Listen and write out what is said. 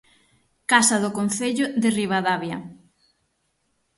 Casa do Concello de Ribadavia.